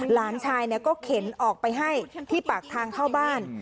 หลานชายก็เข็นออกไปให้ที่ปากทางเข้าบ้าน